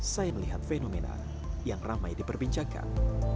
saya melihat fenomena yang ramai diperbincangkan